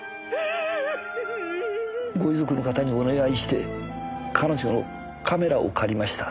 ご遺族の方にお願いして彼女のカメラを借りました。